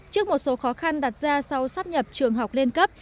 trước một số khó khăn đặt ra sau sắp nhập trường học lên cấp